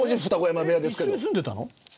一緒に住んでたの。